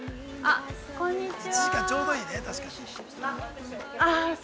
こんにちは。